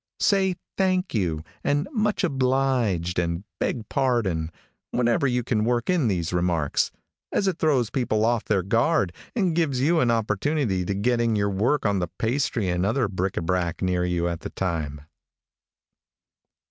Say "thank you," and "much obliged," and "beg pardon," wherever you can work in these remarks, as it throws people off their guard, and gives you an opportunity to get in your work on the pastry and other bric a brac near you at the time.